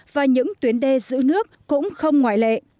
và những tuyến đê giữ nước cũng không ngoại lệ